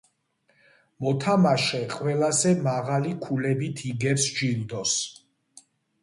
მოთამაშე ყველაზე მაღალი ქულებით იგებს ჯილდოს.